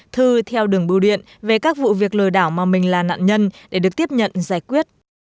thư theo đường bưu điện về các vụ việc lừa đảo mà mình là nạn nhân để được tiếp nhận giải quyết